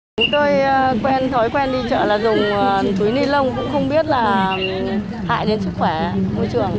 chúng tôi quen thói quen đi chợ là dùng túi ni lông cũng không biết là hại đến sức khỏe môi trường